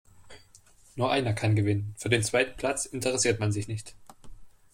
Nur einer kann gewinnen. Für den zweiten Platz interessiert man sich nicht.